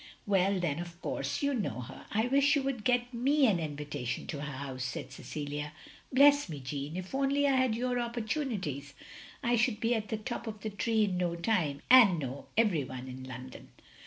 "Well, then of course you know her. I wish you would get me an invitation to her house," said Cecilia. "Bless me, Jeanne, if only I had your opportunities I should be at the top of the tree in no time, and know every one in London."